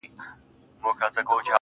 زلفي راټال سي گراني .